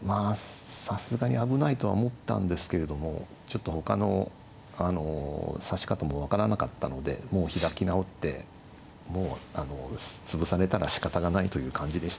さすがに危ないとは思ったんですけれどもちょっとほかの指し方も分からなかったのでもう開き直ってもう潰されたらしかたがないという感じでしたかねはい。